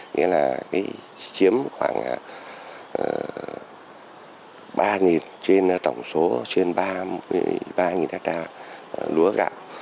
nghĩa là chiếm khoảng ba trên tổng số trên ba hectare lúa gạo